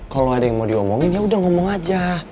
kalo ada yang mau diomongin yaudah ngomong aja